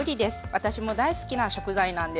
私も大好きな食材なんです。